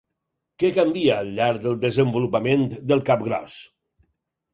Què canvia al llarg del desenvolupament del capgròs?